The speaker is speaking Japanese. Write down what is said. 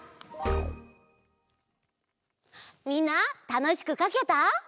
みんなたのしくかけた？